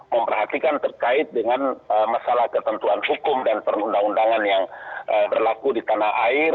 memperhatikan terkait dengan masalah ketentuan hukum dan perundang undangan yang berlaku di tanah air